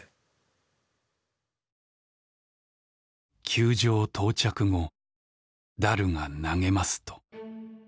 「球場到着後ダルが投げますと」。